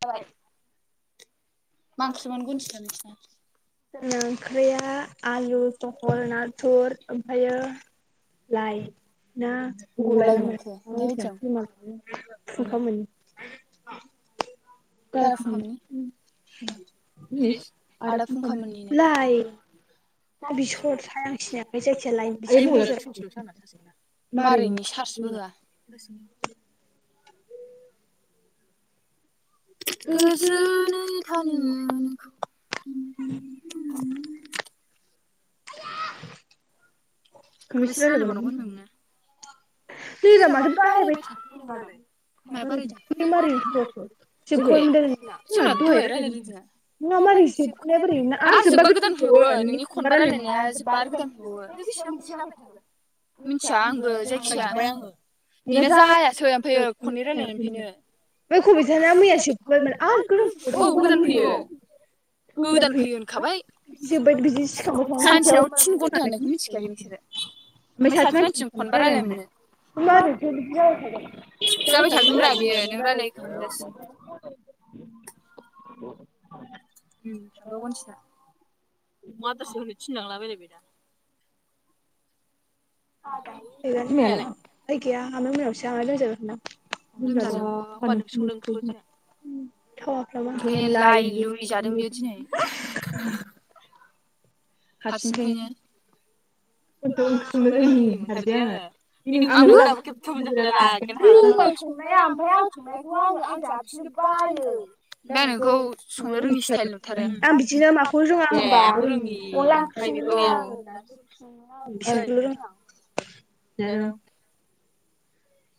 जाबाय मा ओंख्रिमोन [unintelligible] जोंना ओंख्रिया आलु बहल नाथुर ओमफायो लाय ना [unintelligible] फुखा मोन दादा फुंखामोननि? आदा फुंखा मोननिनो। ना बेस' [unintelligible] आइ मबाइलआ थुइनथि लसै आंना सार्स गैला। मारैनि चार्जबो होआ। गोजोनै थानो नोंखौ। उम। खेबबैसे रायलाय बावनांगोमोन? दैरा माथो बारायबाय थाखो नों नालाय? माया बारायदों बियो मारै ओंखार बावखो अबे जोंना दहाइ रायलाय दोंना। आया मारै जोबखानाया बोरै नोंना आरो जोबबा गोदान फैबावो नोंनि खनबा रायलायनाया जोबा आरो गोदान बैसो नोङो बिसिबां [unintelligible] मिथिया आंबो जायखिजाया आंगायजुब्बय आङो। बेना जायासै ओमफायो खननै रायलायनायनि फायनो। ओमफाय खबिथाना मैया जोबखाबायमोन आरो गोदान फैबावदों ओ गोदान फैयो औ। गोदान फैयो होनखाबाय सानसेयाव थिन घन्टा होननायखौ मिथिखायाखै नोंसोरो। ओमफाय सासे मानसिजों खनबा रायल्लायनो मोनो। जाबाय थागोनब्रा बियो नों रायजलायखांजासिम। उम [unintelligible] अमा आदारसो होनो थिनलांला बायदों बेना। [unintelligible] खायला बिमायालाय होय गैया [unintelligible] [unintelligible] [unintelligible] हारसिं थायोनो। ओंखाम ओंख्रि संनो रोंयिनि होखारदो आङो। [unintelligible] बायो। आं बिदिनो माखौ रोंआ होनबा? अनला ओंख्रि संनो रोङा आङो दासिमबो। [unintelligible]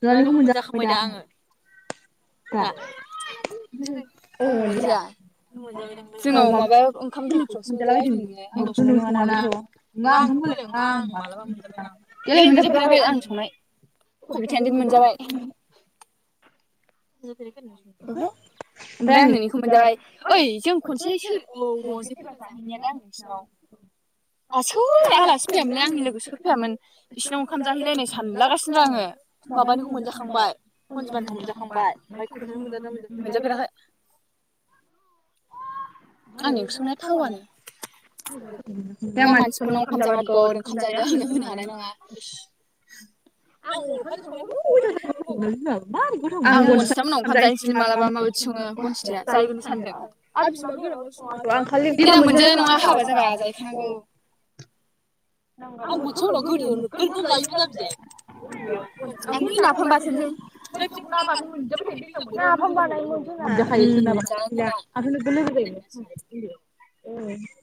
लालिखौ मोनजाखांबाय दा आंङो दा? ओंब्रा। [unintelligible] ना आंखाम [unintelligible] गैयालै आं मोनजाफेराखै आं [unintelligible] [unintelligible] [unintelligible] ओहो। ओमफाय आं नोंनिखौ मोनजाबाय ओइ जों खनसे सोर औ र'जे फैबा जाहैनायालाय आं नोंसिनाव। आ सोर आलासि फैयामोनलाय आंनि लोगोसो फैयामोन बिसिरनाव ओंखाम जाहैलायनाय सानलागासिनो दं आङो। माबानिखौ मोनजाखांबाय। मोनजाफेराखै। अ आंनि ओंख्रि संनाया थावानो। [unintelligible] आमफ्राय आं मानसिफोरनाव ओंखाम जाबा नोगोर ओंखाम जायो आंनो होनो होनो हानाय नङा। आं ओंखाम संनायखौ [unintelligible] मारै गोथाव [unintelligible] [unintelligible] [unintelligible] खालि मोनजानाय नङाथ'। जाबा जायहैखानांगौ। [inaudible] [unintelligible] जोंखैबो ना बाथोन मोनजाबाय थायो। नाफाम बानायोमोन लोगो जायोम उन्दै आव। उम।